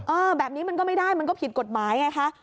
แบบนี้มันก็ไม่ได้มันก็ผิดกฎหมายไงคะ